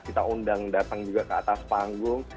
kita undang datang juga ke atas panggung